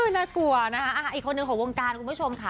น่ากลัวนะคะอีกคนหนึ่งของวงการคุณผู้ชมค่ะ